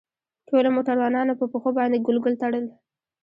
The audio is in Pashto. ټولو موټروانانو په پښو باندې ګلګل تړل.